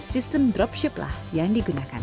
sistem dropshiplah yang digunakan